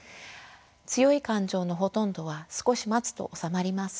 強い感情のほとんどは少し待つと治まります。